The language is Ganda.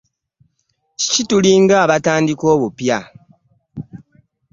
Kati tulinga abatandika obupya.